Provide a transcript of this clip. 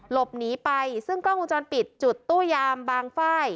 หลบหนีไปซึ่งกล้องวงจรปิดจุดตู้ยามบางฝ้าย